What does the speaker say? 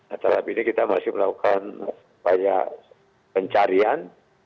atas hal ini kita masih melakukan banyak pencarian